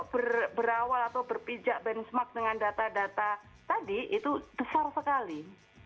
kalau berawal atau berpijak benchmark dengan data data tadi itu besar sekali